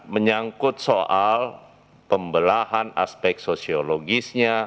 menyangkut soal pembelahan aspek sosiologisnya